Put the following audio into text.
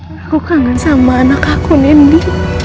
aku kangen sama anak aku nendy